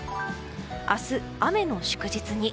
明日、雨の祝日に。